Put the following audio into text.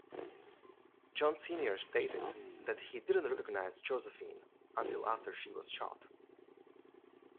John Senior stated that he didn't recognize Josephine until after she was shot.